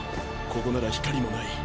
ここなら光もない！